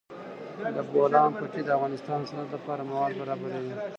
د بولان پټي د افغانستان د صنعت لپاره مواد برابروي.